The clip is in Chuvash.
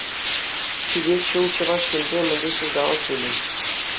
Ҫитес ҫул Чӑваш Енре мӗнле ҫулталӑк пулӗ?